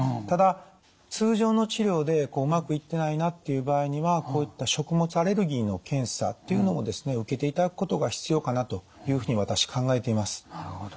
ただ通常の治療でうまくいってないなっていう場合にはこういった食物アレルギーの検査っていうのもですね受けていただくことが必要かなというふうに私考えています。